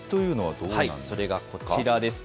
それがこちらです。